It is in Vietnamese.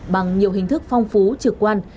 bằng nhiều hình thức phong phú trực quan